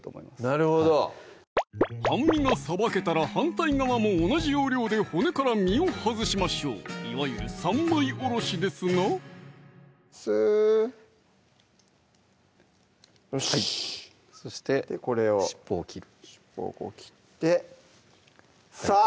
なるほど半身がさばけたら反対側も同じ要領で骨から身を外しましょういわゆる３枚おろしですなスーよしっそして尻尾を切る尻尾をこう切ってさぁ！